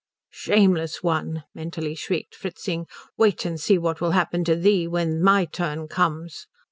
"Shameless one!" mentally shrieked Fritzing, "Wait and see what will happen to thee when my turn comes!"